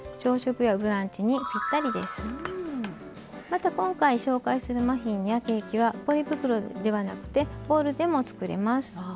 また今回紹介するマフィンやケーキはポリ袋ではなくてボウルでもつくれます。